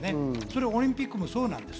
オリンピックもそうなんです。